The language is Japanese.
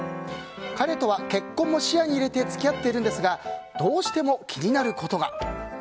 彼とは結婚も視野に入れて付き合っているんですがどうしても気になることが。